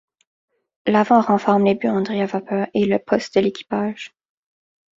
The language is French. L’avant renferme les buanderies à vapeur et le poste de l’équipage.